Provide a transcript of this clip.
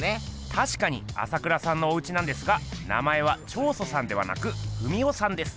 たしかに朝倉さんのおうちなんですが名前は彫塑さんではなく文夫さんです。